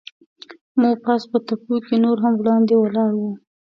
موږ پاس په تپو کې نور هم وړاندې ولاړو.